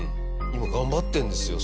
今頑張ってるんですよ